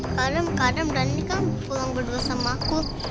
kadang kadang berani kan kurang berdua sama aku